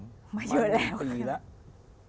มา๑๐ปีแล้ว